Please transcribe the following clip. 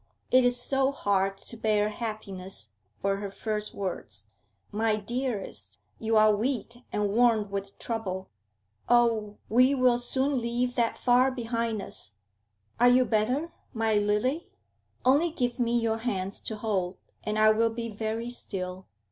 'It is so hard to bear happiness,' were her first words. 'My dearest, you are weak and worn with trouble. Oh, we will soon leave that far behind us. Are you better, my lily? Only give me your hands to hold, and I will be very still.